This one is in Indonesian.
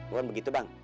bukan begitu bang